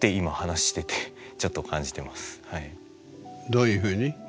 どういうふうに？